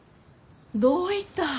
どういた？